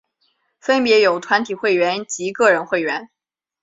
分别有团体会员及个人会员。